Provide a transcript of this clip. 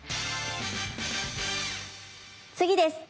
次です。